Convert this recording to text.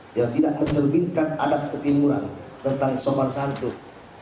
yang tidak mencerbinkan adat ketimuran tentang sopan santuk